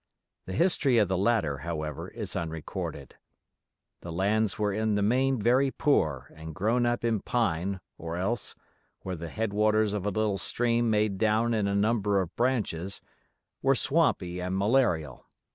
The history of the latter, however, is unrecorded. The lands were in the main very poor and grown up in pine, or else, where the head waters of a little stream made down in a number of "branches", were swampy and malarial.